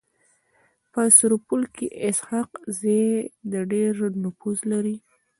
په سرپل کي اسحق زي د ډير نفوذ لري.